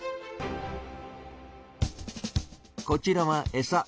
こちらはエサ。